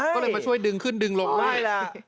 ก็เลยมาช่วยดึงขึ้นดึงลงไล่ล่ะ